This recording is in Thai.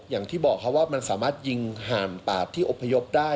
อย่างที่บอกครับว่ามันสามารถยิงห่านป่าที่อบพยพได้